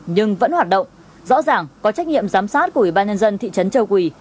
nhưng vẫn hoạt động rõ ràng có trách nhiệm giám sát của ủy ban nhân dân thị trấn châu quỳ